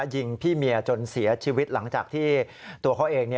ยิงพี่เมียจนเสียชีวิตหลังจากที่ตัวเขาเอง